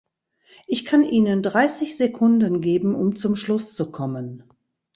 Ich kann Ihnen dreißig Sekunden geben, um zum Schluss zu kommen.